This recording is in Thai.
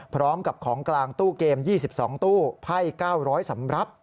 พร้อมกับของกลางตู้เกม๒๒ตู้ไพ่๙๐๐สำหรับ